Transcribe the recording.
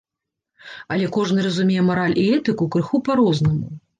Але кожны разумее мараль і этыку крыху па-рознаму.